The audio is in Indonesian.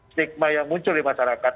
stigma yang muncul di masyarakat